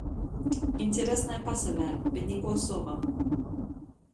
Interesnai pasavērt, bet nikuo sova.